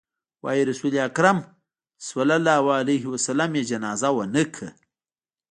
وايي رسول اکرم ص يې جنازه ونه کړه.